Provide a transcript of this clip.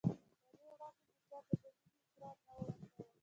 له دې وړاندې مې چا ته د مینې اقرار نه و کړی.